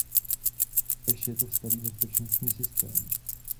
Též je to starý bezpečnostní systém.